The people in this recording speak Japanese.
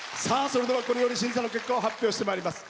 それでは、これより審査の結果を発表してまいります。